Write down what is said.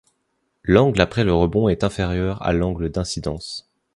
L'angle après le rebond est inférieur à l'angle d'incidence.